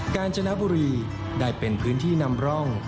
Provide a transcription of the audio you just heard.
การจนบุรีได้เป็นพื้นที่นำร่อง